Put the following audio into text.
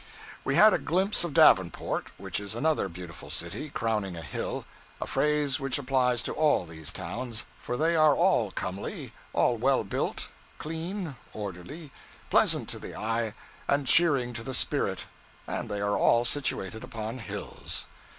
We had a glimpse of Davenport, which is another beautiful city, crowning a hill a phrase which applies to all these towns; for they are all comely, all well built, clean, orderly, pleasant to the eye, and cheering to the spirit; and they are all situated upon hills.